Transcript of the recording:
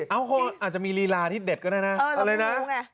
เอ้าคงอาจจะมีรีลาอาทิตย์เด็ดก็ได้นะ